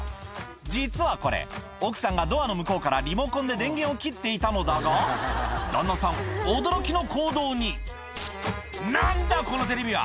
実はこれ奥さんがドアの向こうからリモコンで電源を切っていたのだが旦那さん驚きの行動に「何だこのテレビは！